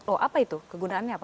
oh apa itu kegunaannya apa